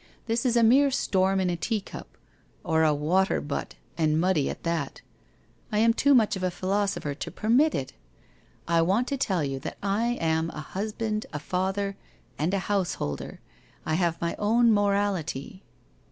This is a mere storm in a teacup ; or a water butt and muddy at that. I am too much of a philosopher to permit it. ... I want to tell you that I am a husband, a father and a householder, I have my own mo rality.